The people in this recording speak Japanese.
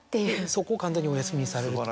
そこを完全にお休みされると。